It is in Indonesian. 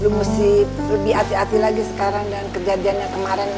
mesti lebih hati hati lagi sekarang dengan kejadiannya kemarin